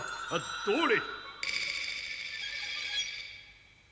どれ？